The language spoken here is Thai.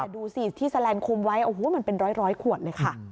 ดูสิที่แลนดคุมไว้โอ้โหมันเป็นร้อยขวดเลยค่ะ